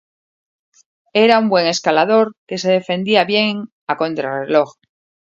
Era un buen escalador que se defendía bien en contrarreloj.